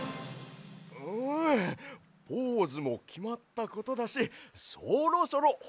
うんポーズもきまったことだしそろそろほんのはなしを。